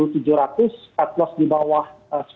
cut loss di bawah sepuluh